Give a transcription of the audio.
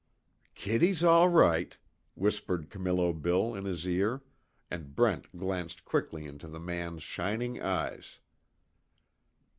"Kitty's all right," whispered Camillo Bill in his ear, and Brent glanced quickly into the man's shining eyes.